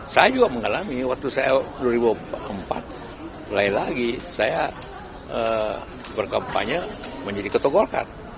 saya juga mengalami waktu saya dua ribu empat mulai lagi saya berkampanye menjadi ketua golkar